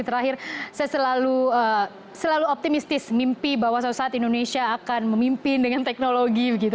terakhir saya selalu optimistis mimpi bahwa sosial indonesia akan memimpin dengan teknologi